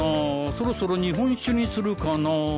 そろそろ日本酒にするかな。